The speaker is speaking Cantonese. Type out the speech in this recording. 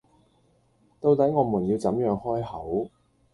到底我們要怎樣開口？